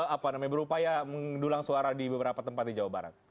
apa namanya berupaya mendulang suara di beberapa tempat di jawa barat